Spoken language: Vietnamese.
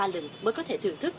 hai ba lần mới có thể thưởng thức